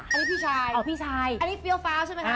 เดี๋ยวใครอ่ะอันนี้พี่ชายอันนี้ฟีลฟาวส์ใช่มั้ยคะ